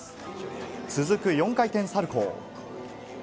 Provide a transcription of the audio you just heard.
続く４回転サルコー。